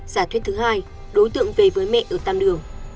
giả thuyết thứ hai đối tượng về với mẹ ở tam đường